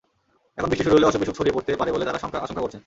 এখন বৃষ্টি শুরু হলে অসুখ-বিসুখ ছড়িয়ে পড়তে পারে বলে তাঁরা আশঙ্কা করছেন।